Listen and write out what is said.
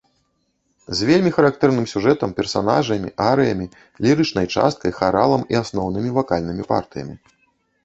З вельмі характэрным сюжэтам, персанажамі, арыямі, лірычнай часткай, харалам і асноўнымі вакальнымі партыямі.